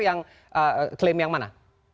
yang belum dibayar yang klaim yang mana